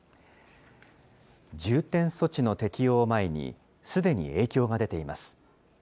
重点措置の適用を前に、すでに影響が出ています。